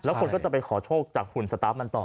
แล้วคนก็จะไปขอโชคจากหุ่นสตาร์ฟมันต่อ